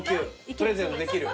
プレゼントできる？